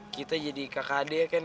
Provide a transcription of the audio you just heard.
kita menjadi kakak adik ya ken